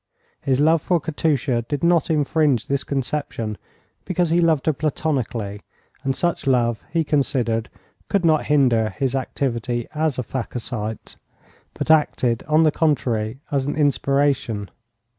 His love for Katusha did not infringe this conception, because he loved her platonically, and such love he considered could not hinder his activity as a phacocytes, but acted, on the contrary, as an inspiration.